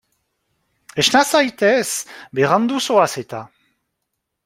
Esna zaitez, berandu zoaz eta.